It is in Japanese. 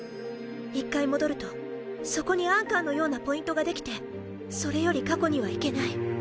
一回戻るとそこにアンカーのようなポイントができてそれより過去には行けない